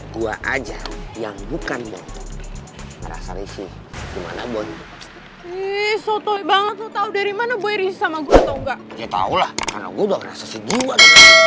gua aja yang bukan berasa rishi gimana gue banget tau dari mana gue sama gue tau nggak